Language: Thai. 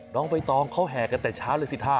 น้องใบตองเขาแห่กันแต่เช้าเลยสิท่า